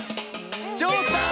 「ちょうさん」。